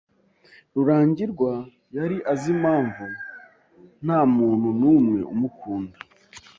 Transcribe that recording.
Rurangirwa yari azi impamvu namunu numwe umukunda.